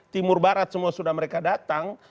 timur barat semua sudah mereka datang